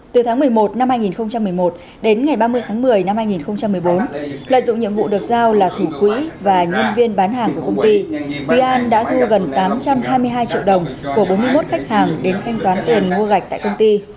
từ tháng một mươi một năm hai nghìn một mươi một đến ngày ba mươi tháng một mươi năm hai nghìn một mươi bốn lợi dụng nhiệm vụ được giao là thủ quỹ và nhân viên bán hàng của công ty thúy an đã thu gần tám trăm hai mươi hai triệu đồng của bốn mươi một khách hàng đến thanh toán tiền mua gạch tại công ty